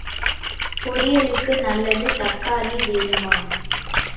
பொரியலுக்கு நல்லது தக்காளி வேணுமா?